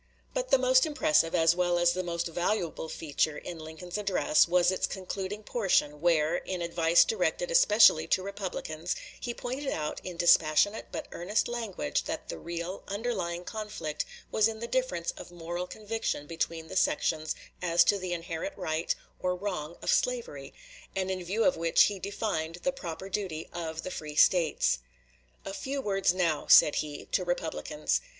But the most impressive, as well as the most valuable, feature of Lincoln's address was its concluding portion, where, in advice directed especially to Republicans, he pointed out in dispassionate but earnest language that the real, underlying conflict was in the difference of moral conviction between the sections as to the inherent right or wrong of slavery, and in view of which he defined the proper duty of the free States. A few words now [said he] to Republicans.